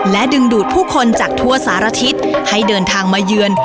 และดึงดูดผู้คนจากทั่วสารทิศให้เดินทางมาเยือน